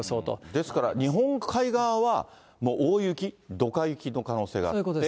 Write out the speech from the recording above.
ですから、日本海側はもう大雪、どか雪の可能性があって。